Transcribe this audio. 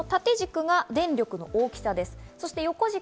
縦軸が電力の大きさです。